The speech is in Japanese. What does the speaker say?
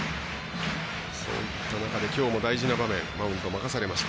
そういった中できょうも大事な場面マウンド任されました。